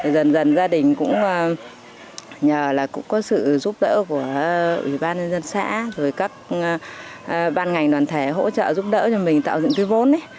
dần dần gia đình cũng nhờ là cũng có sự giúp đỡ của ủy ban nhân dân xã rồi các ban ngành đoàn thể hỗ trợ giúp đỡ cho mình tạo dựng cái vốn